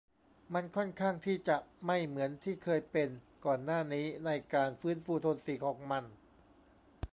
มันค่อนข้างที่จะไม่เหมือนที่เคยเป็นก่อนหน้านี้ในการฟื้นฟูโทนสีของมัน